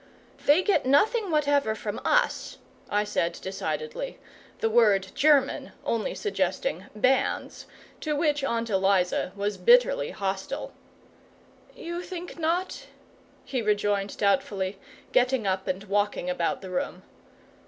"They get nothing whatever from US," I said decidedly: the word German only suggesting Bands, to which Aunt Eliza was bitterly hostile. "You think not?" he rejoined, doubtfully, getting up and walking about the room.